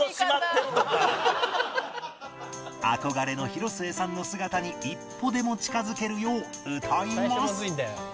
憧れの広末さんの姿に一歩でも近づけるよう歌います